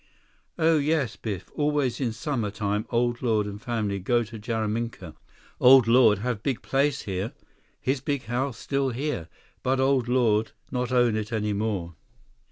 "Oh yes, Biff, always in summer time Old Lord and family go to Jaraminka. Old Lord have big place here. His big house still here, but Old Lord not own it any more."